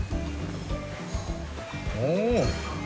うん。